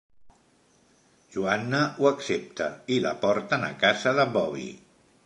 Joanna ho accepta, i la porten a casa de Bobbie.